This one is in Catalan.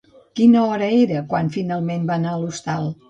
Quina hora era quan finalment va anar l'hostal?